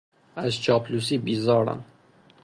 از چاپلوسی بیزارم.